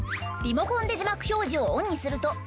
リモコンで字幕表示をオンにすると。